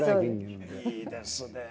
いいですねえ。